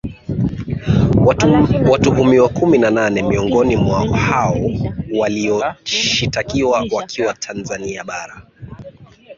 Watuhumiwa kumi na nane miongoni mwa hao walioshitakiwa wakiwa Tanzania Bara